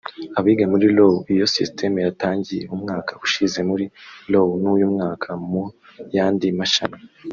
Abiga muri Law iyo system yatangiye umwaka ushize muri Law n’ uyu mwaka mu yandi mashami"